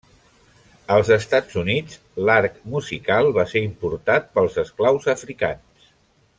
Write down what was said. Als Estats Units, l'arc musical va ser importat pels esclaus africans.